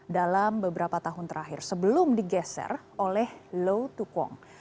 dalam beberapa tahun terakhir sebelum digeser oleh lo tukwong